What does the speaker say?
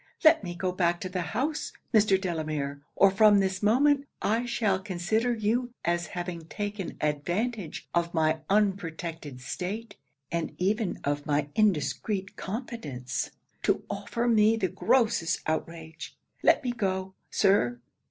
Let me go back to the house, Mr. Delamere; or from this moment I shall consider you as having taken advantage of my unprotected state, and even of my indiscreet confidence, to offer me the grossest outrage. Let me go, Sir!'